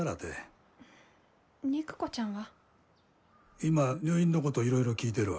今入院のこといろいろ聞いてるわ。